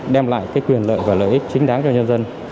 đem lại quyền lợi và lợi ích chính đáng cho nhân dân